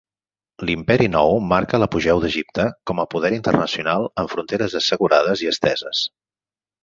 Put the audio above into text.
L'Imperi nou marca l'apogeu d'Egipte com a poder internacional amb fronteres assegurades i esteses.